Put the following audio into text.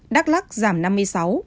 đắk lắc giảm năm mươi sáu